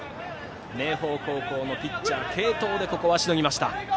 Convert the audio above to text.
明豊高校はピッチャーの継投でここはしのぎました。